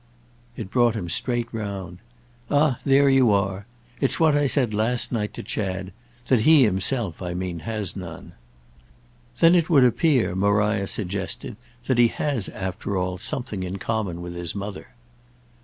It brought him straight round. "Ah there you are! It's what I said last night to Chad. That he himself, I mean, has none." "Then it would appear," Maria suggested, "that he has, after all, something in common with his mother."